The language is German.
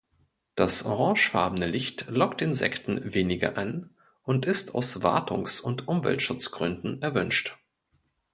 Das orangefarbene Licht lockt Insekten weniger an und ist aus Wartungs- und Umweltschutzgründen erwünscht.